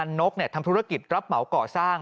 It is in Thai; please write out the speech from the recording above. ปี๖๕วันเกิดปี๖๔ไปร่วมงานเช่นเดียวกัน